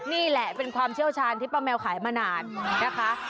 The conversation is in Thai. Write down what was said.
นี่แหละเป็นความเชี่ยวชาญที่ป้าแมวขายมานานนะคะ